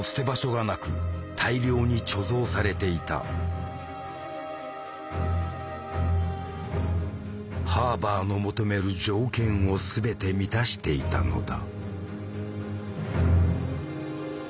しかもハーバーの求める条件を全て満たしていたのだ。